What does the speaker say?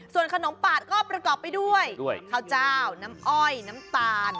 ส่วนขนมปาดก็ประกอบไปด้วยข้าวเจ้าน้ำอ้อยน้ำตาล